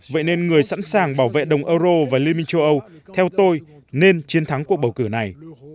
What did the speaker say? vậy nên người sẵn sàng bảo vệ đồng euro và liên minh châu âu theo tôi nên chiến thắng cuộc bầu cử này